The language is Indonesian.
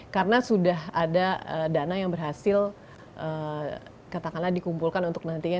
karena sudah ada dana yang berhasil katakanlah dikumpulkan untuk nantinya